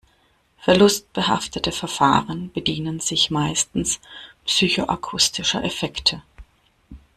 Verlustbehaftete Verfahren bedienen sich meistens psychoakustischer Effekte.